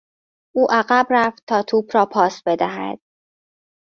او عقب رفت تا توپ را پاس بدهد.